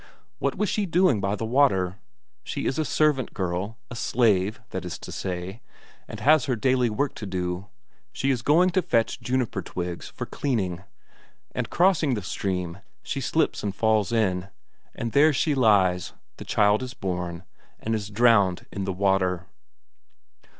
What was she doing by the water? She is a servant girl, a slave, that is to say, and has her daily work to do; she is going to fetch juniper twigs for cleaning. And crossing the stream, she slips and falls in. And there she lies; the child is born, and is drowned in the water."